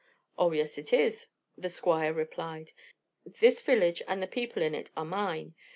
"Oh, yes, it is," the Squire replied. "This village and the people in it are mine.